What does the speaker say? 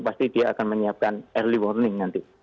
pasti dia akan menyiapkan early warning nanti